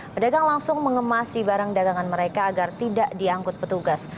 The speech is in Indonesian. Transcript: pedagang langsung mengemasi barang dagangan mereka agar tidak diangkut petugas